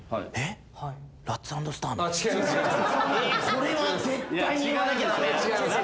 これは絶対に言わなきゃ駄目。